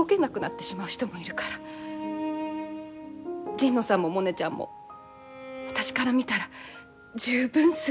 神野さんもモネちゃんも私から見たら十分すごい。